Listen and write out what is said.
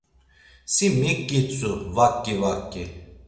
Si mik gitzu vaǩi, vaǩi!